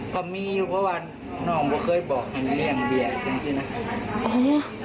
ก็มีอยู่เพราะว่าน้องเคยบอกให้เลี้ยงเบียอย่างนี้นะ